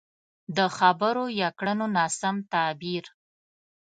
د خبرو يا کړنو ناسم تعبير.